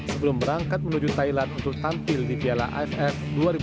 sebelum berangkat menuju thailand untuk tampil di piala aff dua ribu dua puluh